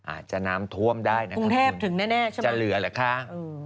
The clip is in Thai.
อาจจะน้ำถ้วมได้ครับจะเหลือเลยครับ